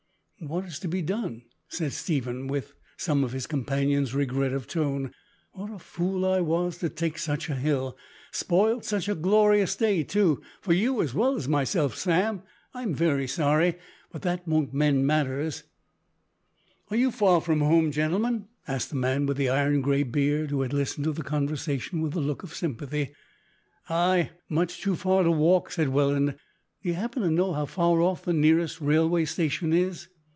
"What is to be done?" said Stephen, with some of his companion's regret of tone. "What a fool I was to take such a hill spoilt such a glorious day too for you as well as myself, Sam. I'm very sorry, but that won't mend matters." "Are you far from home, gentlemen?" asked the man with the iron grey beard, who had listened to the conversation with a look of sympathy. "Ay, much too far to walk," said Welland. "D'you happen to know how far off the nearest railway station is?"